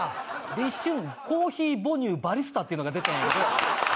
一瞬コーヒー母乳バリスタっていうのが出たんやけど。